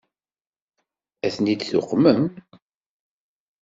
Ad ten-id-tuqmem?